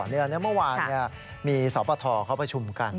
เมื่อวานมีสอบประทอเขาประชุมกัน